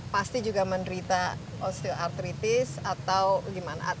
pasti juga menderita osteoartritis atau gimana